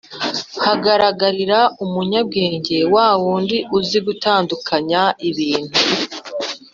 hagaragarira umunyabwenge, wa wundi uzi gutandukanya ibintu